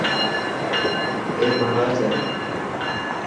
اي مهراج هي.